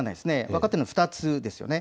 分かっているのは２つです。